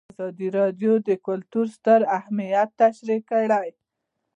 ازادي راډیو د کلتور ستر اهميت تشریح کړی.